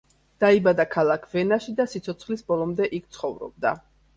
დაიბადა ქალაქ ვენაში და სიცოცხლის ბოლომდე იქ ცხოვრობდა.